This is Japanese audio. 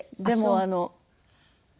でもあの。